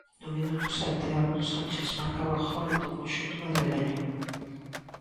No minuto sete, Álvaro Sánchez marcaba o gol do conxunto madrileño.